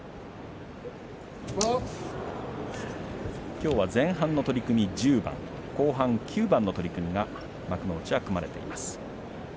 きょうは前半の取組１０番後半は９番の取組が幕内は組まれています。